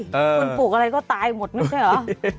คุณปลูกอะไรก็ตายหมดไม่ใช่เหรอ